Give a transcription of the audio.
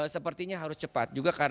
sepertinya harus cepat